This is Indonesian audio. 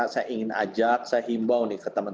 saya ingin ajak saya himbau nih ke teman teman